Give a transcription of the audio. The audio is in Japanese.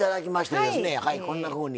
はいこんなふうに。